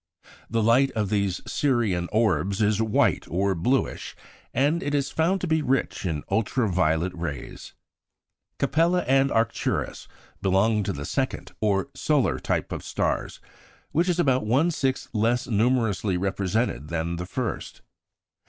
The light of these "Sirian" orbs is white or bluish; and it is found to be rich in ultra violet rays. Capella and Arcturus belong to the second, or solar type of stars, which is about one sixth less numerously represented than the first.